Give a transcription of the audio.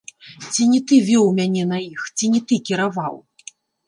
Ці не ты вёў мяне на іх, ці не ты кіраваў.